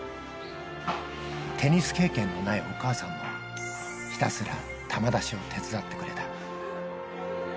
テニス経験のないお母さんも、ひたすら球出しを手伝ってくれた。